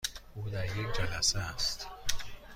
او در یک جلسه است.